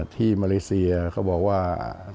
ที่มาเลเซียเขาบอกว่า